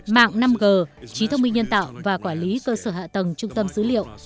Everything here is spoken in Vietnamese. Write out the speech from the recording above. mạng năm g trí thông minh nhân tạo và quản lý cơ sở hạ tầng trung tâm dữ liệu